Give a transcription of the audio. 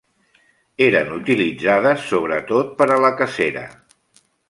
Eren utilitzades sobretot per a la cacera.